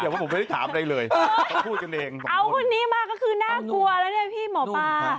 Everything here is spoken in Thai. แต่ว่าผมไม่ได้ถามอะไรเลยเขาพูดกันเองเอาคนนี้มาก็คือน่ากลัวแล้วเนี่ยพี่หมอปลา